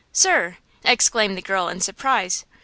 "Sir!" exclaimed the girl, in surprise.